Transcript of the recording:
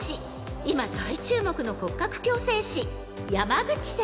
今大注目の骨格矯正師］